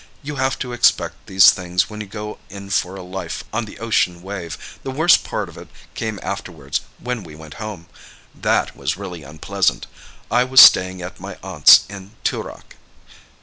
"You have to expect these things when you go in for a life on the ocean wave. The worst part of it came afterwards, when we went home. That was really unpleasant. I was staying at my aunt's in Toorak."